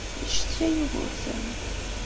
Yeccetka Yugurten.